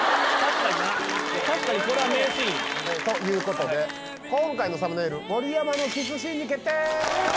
確かにこれは名シーン。ということで今回のサムネイル盛山のキスシーンに決定！